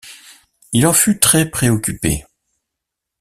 il en fut très préoccupé.